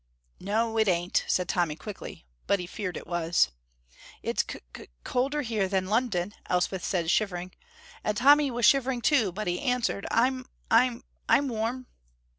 "No, it ain't," said Tommy, quickly, but he feared it was. "It's c c colder here than London," Elspeth said, shivering, and Tommy was shivering too, but he answered, "I'm I'm I'm warm."